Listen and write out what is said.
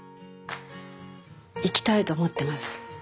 生きたいと思ってます。